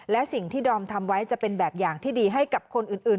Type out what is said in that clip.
และสิ่งที่ดอมทำไว้จะเป็นแบบอย่างที่ดีให้กับคนอื่น